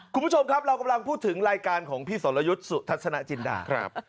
คุณผู้ชมครับเรากำลังพูดถึงรายการของพี่สรยุทธ์สุทัศนจินดา